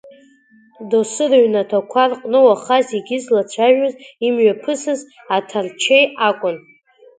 Доусы рыҩнаҭақәа рҟны уаха зегьы злацәажәоз имҩаԥысыз аҭарчеи акәын.